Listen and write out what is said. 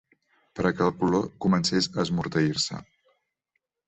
...per a que el color comencés a esmorteir-se.